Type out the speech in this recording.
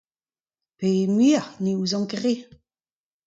Pe muioc'h ? Ne ouezan ket re.